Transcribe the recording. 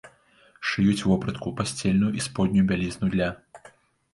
Шыюць вопратку, пасцельную і споднюю бялізну для.